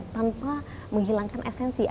tanpa menghilangkan esensi